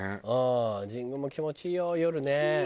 神宮も気持ちいいよ夜ね。